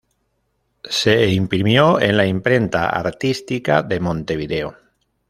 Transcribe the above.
Se imprimió en la Imprenta Artística de Montevideo.